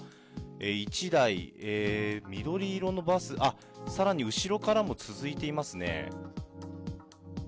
１台、緑色のバス、あっ、さらに後ろからも続いていますね。